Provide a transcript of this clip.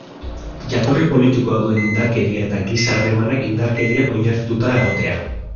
Jatorri politikoa duen indarkeria eta giza harremanak indarkerian oinarrituta egotea.